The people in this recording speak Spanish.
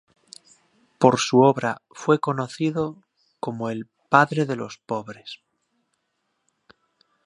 Por su obra fue conocido como el "Padre de los pobres".